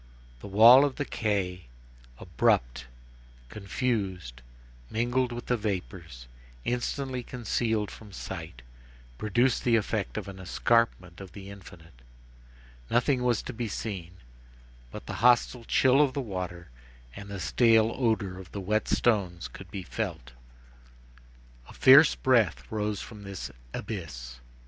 The wall of the quay, abrupt, confused, mingled with the vapors, instantly concealed from sight, produced the effect of an escarpment of the infinite. Nothing was to be seen, but the hostile chill of the water and the stale odor of the wet stones could be felt. A fierce breath rose from this abyss.